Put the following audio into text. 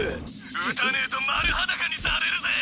撃たねぇと丸裸にされるぜ。